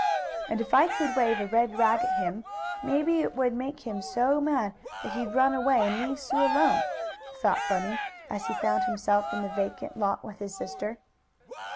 "And if I could wave a red rag at him, maybe it would make him so mad that he'd run away and leave Sue alone," thought Bunny as he found himself in the vacant lot with his sister.